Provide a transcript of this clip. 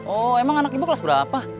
oh emang anak ibu kelas berapa